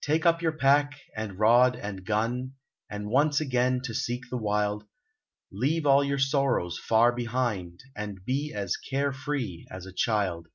Take up your pack and rod and gun, And once again to seek the wild, Leave all your sorrows far behind, And be as carefree as a child.